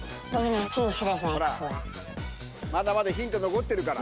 ほらまだまだヒント残ってるから。